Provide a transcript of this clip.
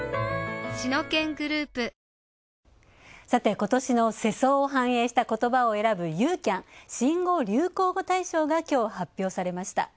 今年の世相を反映した言葉を選ぶユーキャン新語・流行語大賞が今日発表されました。